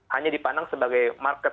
hanya dipandang sebagai market